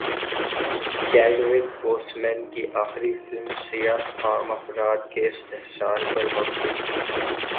Chadwick Boseman کی اخری film سیاہ فام افراد کے استحصال پر مبنی